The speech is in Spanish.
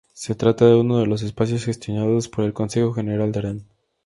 Se trata de uno de los espacios gestionados por el Consejo General de Arán.